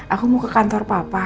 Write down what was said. aku mau ke kantor papa